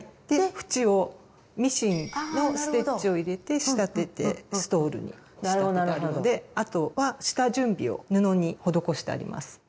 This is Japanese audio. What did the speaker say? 縁をミシンのステッチを入れて仕立ててストールに仕立てたものであとは下準備を布に施してあります。